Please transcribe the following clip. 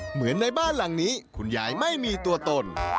เหมือนในบ้านหลังนี้คุณยายไม่มีตัวตน